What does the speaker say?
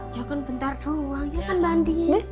ya kan bentar doang ya kan mbak andin